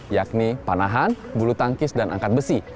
yakni panahan bulu tangkis dan angkat besi